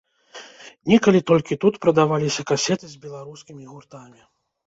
Некалі толькі тут прадаваліся касеты з беларускімі гуртамі.